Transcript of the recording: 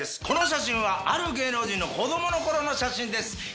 この写真はある芸能人の子供の頃の写真です。